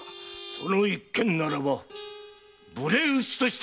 その一件ならば無礼討ちとしての決着が。